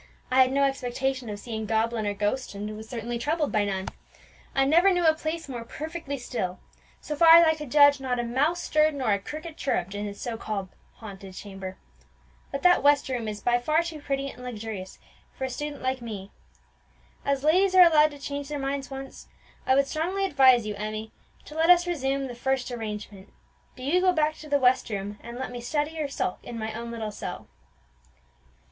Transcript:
"I had no expectation of seeing goblin or ghost, and was certainly troubled by none. I never knew a place more perfectly still; so far as I could judge, not a mouse stirred or a cricket chirrupped in the so called haunted chamber. But that west room is by far too pretty and luxurious for a student like me. As ladies are allowed to change their minds once, I would strongly advise you, Emmie, to let us resume the first arrangement: do you go back to the west room, and let me study or sulk in my own little cell."